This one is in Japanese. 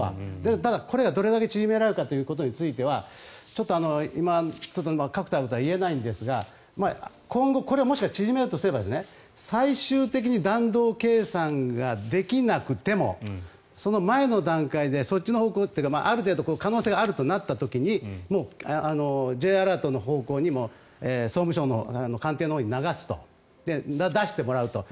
だから、これがどれだけ縮められるかということについてはちょっと今確たることは言えないんですが今後、これを縮めようとすれば最終的に弾道計算ができなくてもその前の段階でそっちの方向というかある程度可能性があるとなった時にＪアラートの方向にも総務省の官邸のほうにも流すと出してもらうと。